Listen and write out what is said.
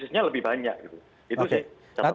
krisisnya lebih banyak